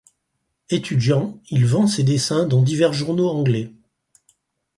Étudiant, il vend ses dessins dans divers journaux anglais.